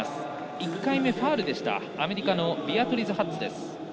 １回目ファウルでしたアメリカのビアトリズ・ハッツ。